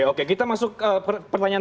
oke kita masuk pertanyaan